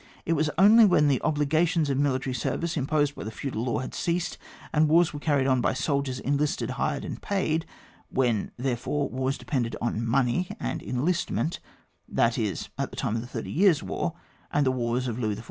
It was only when the obligations to military service im posed by the feudal laws had ceased, and wars were ccuried on by soldiers enlisted, hired, and paid — when, there fore, wars depended on money and enlistment, that is, at the time of the Thirty Tears* War, and the wars of Louis XIY.